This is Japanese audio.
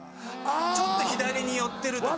ちょっと左に寄ってるとか。